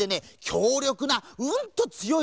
きょうりょくなうんとつよい